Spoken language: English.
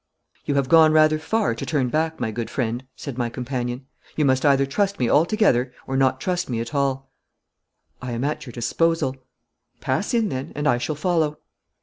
'You have gone rather far to turn back, my good friend,' said my companion. 'You must either trust me altogether or not trust me at all.' 'I am at your disposal.' 'Pass in then, and I shall follow.'